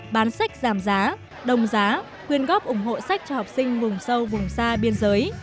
bán sách giảm giá đồng giá khuyên góp ủng hộ sách cho học sinh vùng sâu vùng xa biên giới